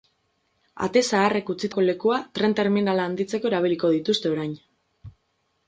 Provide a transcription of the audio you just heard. Ate zaharrek utzitako lekua tren terminala handitzeko erabiliko dituzte orain.